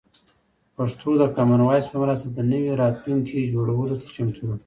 پښتو د کامن وایس په مرسته د یو نوي راتلونکي جوړولو ته چمتو ده.